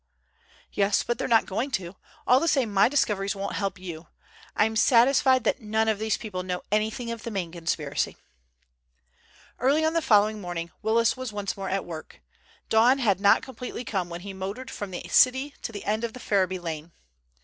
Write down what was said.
"Yes, but they're not going to. All the same my discoveries won't help you. I'm satisfied that none of these people know anything of the main conspiracy." Early on the following morning Willis was once more at work. Dawn had not completely come when he motored from the city to the end of the Ferriby lane.